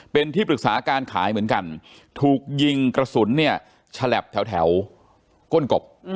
เป็นที่ปรึกษาการขายเหมือนกันถูกยิงกระสุนเนี่ยฉลับแถวก้นกบ